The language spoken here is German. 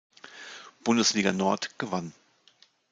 Bundesliga-Nord gewann.